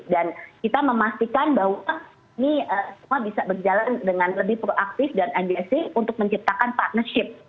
kita memastikan bahwa ini semua bisa berjalan dengan lebih proaktif dan agresif untuk menciptakan partnership